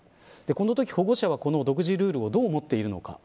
このとき保護者は、この独自ルールをどう思っているのか。